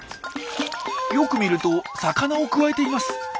よく見ると魚をくわえています！